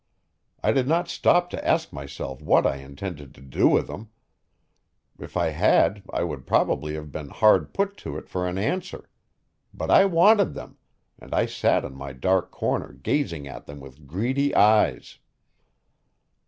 I did not stop to ask myself what I intended to do with them; if I had I would probably have been hard put to it for an answer. But I wanted them, and I sat in my dark corner gazing at them with greedy eyes.